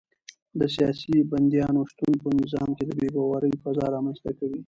د سیاسي بندیانو شتون په نظام کې د بې باورۍ فضا رامنځته کوي.